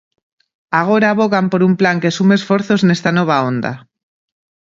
Agora avogan por un plan que sume esforzos nesta nova onda.